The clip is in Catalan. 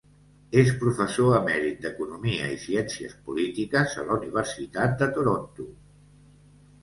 És professor emèrit d'economia i ciències polítiques a la universitat de Toronto.